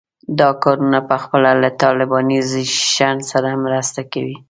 دا کارونه پخپله له طالبانیزېشن سره مرسته کوي.